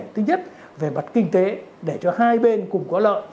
thứ nhất về mặt kinh tế để cho hai bên cùng có lợi